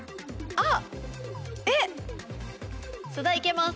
あっ！